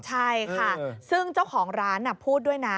ใช่ค่ะซึ่งเจ้าของร้านพูดด้วยนะ